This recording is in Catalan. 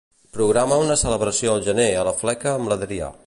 Programa una celebració al gener a la fleca amb l'Adrià.